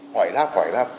hỏi đáp hỏi đáp